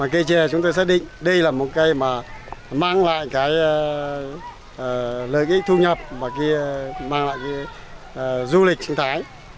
cây trẻ chúng tôi xác định đây là một cây mà mang lại lợi ích thu nhập và mang lại du lịch sinh thái